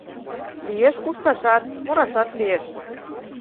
Лиеш, кушташат, мурашат лиеш.